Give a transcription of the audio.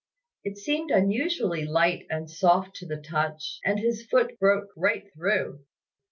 It seemed unusually light and soft to the touch, and his foot broke right through.